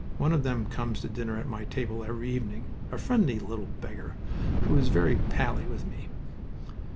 One of them comes to dinner on my table every evening, a friendly little beggar who is very pally with me."